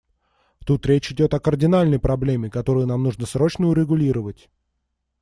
Тут речь идет о кардинальной проблеме, которую нам нужно срочно урегулировать.